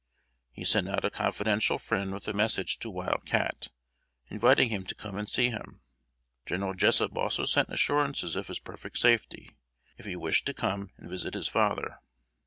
He sent out a confidential friend with a message to Wild Cat, inviting him to come and see him. General Jessup also sent assurances of his perfect safety, if he wished to come and visit his father.